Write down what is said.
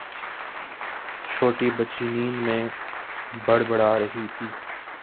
چھوٹی بچی نیند میں بڑبڑا رہی تھی